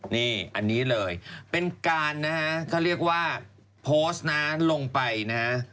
นี่อันนี้เลยเป็นการนะฮะเขาเรียกว่าโพสต์นะลงไปนะฮะ